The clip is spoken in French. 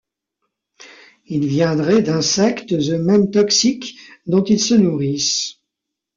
Il viendrait d'insectes eux-mêmes toxiques, dont ils se nourrissent.